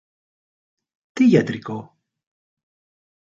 Τι γιατρικό;